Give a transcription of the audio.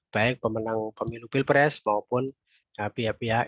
baik pemenang pemilu pilpres maupun pihak pihak yang berpengaruh